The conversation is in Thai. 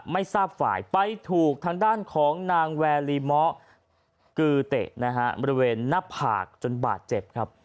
ไม่ทราบฝ่ายไปถูกทางด้านของนางแวลีเมาะกือเตะนะฮะบริเวณหน้าผากจนบาดเจ็บครับ